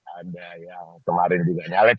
ada yang kemarin juga nyalek